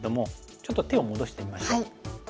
ちょっと手を戻してみましょう。